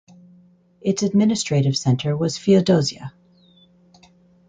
Its administrative centre was Feodosiya.